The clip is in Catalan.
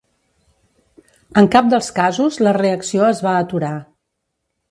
En cap dels casos la reacció es va aturar.